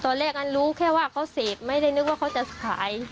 อันนั้นรู้แค่ว่าเขาเสพไม่ได้นึกว่าเขาจะขาย